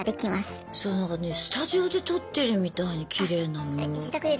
そうなんかねスタジオで撮ってるみたいにきれいなのよ。